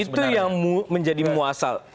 itu yang menjadi muasal